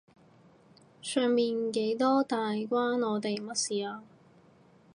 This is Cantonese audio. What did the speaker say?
上面幾多大關我哋乜事啊？